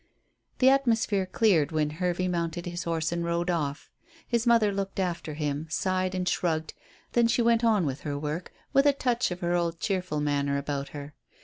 The atmosphere cleared when Hervey mounted his horse and rode off. His mother looked after him, sighed and shrugged; then she went on with her work with a touch of her old cheerful manner about her.